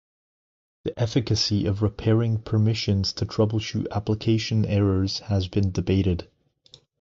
The efficacy of repairing permissions to troubleshoot application errors has been debated.